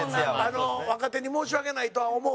若手に申し訳ないとは思う。